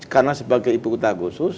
karena sebagai ibukota khusus